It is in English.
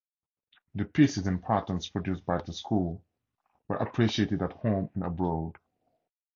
The pieces and patterns produced by the school were appreciated at home and abroad.